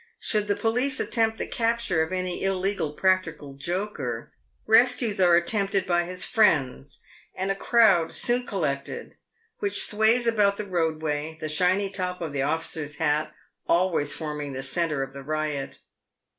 Should the police attempt the capture of any illegal practical joker, rescues PAYED WITH GOLD. 115 are attempted by his friends, and a crowd soon collected, which sways about the roadway, the shiny top of the officer's hat always forming the centre of the riot.